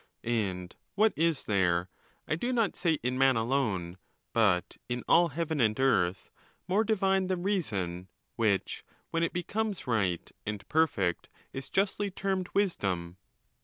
And what is there, I do not say in man alone, but in all heaven and earth, more divine than reason, which, when it becomes right and perfect, is justly termed wisdom